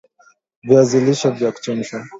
Viazi lishe vya kuchemshwa